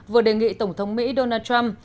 vừa đề nghị tổng thống mỹ donald trump